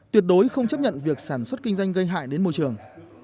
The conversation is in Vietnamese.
tuyệt đối không chấp nhận việc sản xuất kinh doanh gây hại đến môi trường